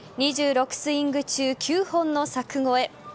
２６スイング中９本の柵越え。